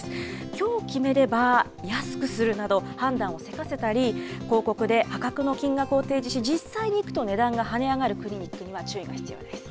きょう決めれば安くするなど、判断をせかせたり、広告で破格の金額を提示し、実際に行くと値段がはね上がるクリニックには注意が必要です。